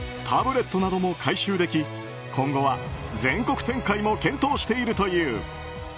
タブレットなども回収でき今後は全国展開も検討しているという。